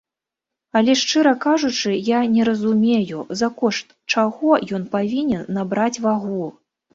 Але шчыра кажучы, я не разумею, за кошт чаго ён павінен набраць вагу.